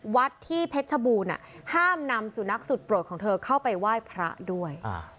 วัดที่เพชรชบูรณ์ห้ามนำสุนัขสุดโปรดของเธอเข้าไปไหว้พระด้วย